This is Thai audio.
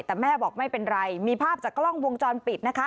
แต่แม่บอกไม่เป็นไรมีภาพจากกล้องวงจรปิดนะคะ